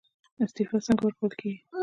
استعفا څنګه ورکول کیږي؟